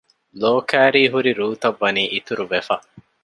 ލޯކައިރީ ހުރި ރޫތައް ވަނީ އިތުރު ވެފަ